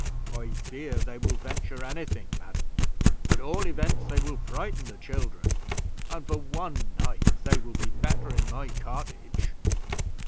"I fear they will venture any thing, madam. At all events, they will frighten the children, and for one night they will be better in my cottage."